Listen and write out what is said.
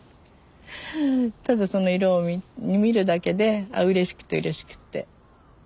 ただその色を見るだけでうれしくてうれしくって。